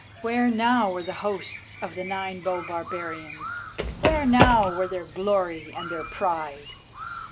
Where now were the hosts of the Nine bow barbarians? Where now were their glory and their pride?